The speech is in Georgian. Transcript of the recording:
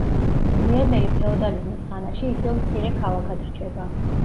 გვიანდელი ფეოდალიზმის ხანაში ისევ მცირე ქალაქად რჩება.